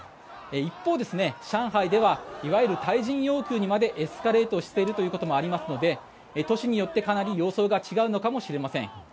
一方、上海ではいわゆる退陣要求にまでエスカレートしていることもありますので都市によって、かなり様相が違うのかもしれません。